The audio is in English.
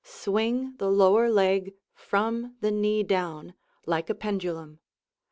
Swing the lower leg (from the knee down) like a pendulum.